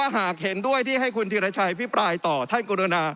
หากเห็นด้วยที่ให้คุณธีรชัยพิปรายต่อท่านกรุณา